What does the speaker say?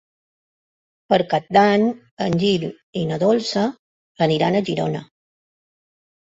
Per Cap d'Any en Gil i na Dolça aniran a Girona.